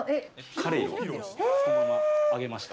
カレイをそのまま揚げました。